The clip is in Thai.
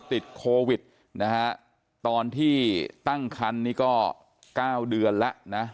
ติดโควิดนะฮะตอนที่ตั้งคันนี้ก็๙เดือนแล้วนะ